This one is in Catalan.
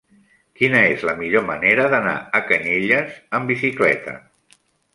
Quina és la millor manera d'anar a Canyelles amb bicicleta?